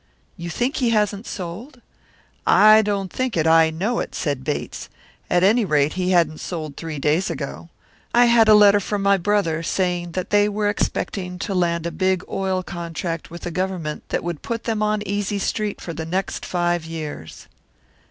"You think he hasn't sold?" "I don't think it, I know it," said Bates. "At any rate, he hadn't sold three days ago. I had a letter from my brother saying that they were expecting to land a big oil contract with the government that would put them on Easy Street for the next five years!"